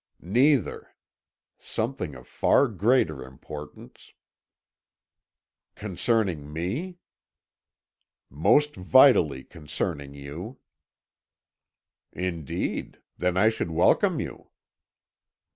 "Neither. Something of far greater importance." "Concerning me?" "Most vitally concerning you." "Indeed. Then I should welcome you."